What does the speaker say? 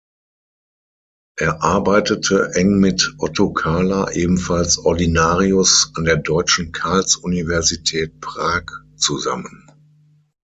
Er arbeitete eng mit Otto Kahler, ebenfalls Ordinarius an der deutschen Karls-Universität Prag, zusammen.